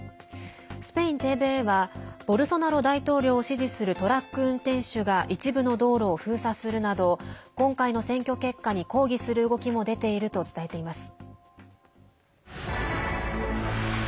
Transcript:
スペインＴＶＥはボルソナロ大統領を支持するトラック運転手が一部の道路を封鎖するなど今回の選挙結果に抗議する動きも出ていると伝えています。